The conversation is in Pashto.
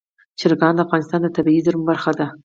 چرګان د افغانستان د طبیعي زیرمو برخه ده.